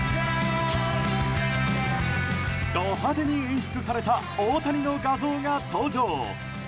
ド派手に演出された大谷の画像が登場。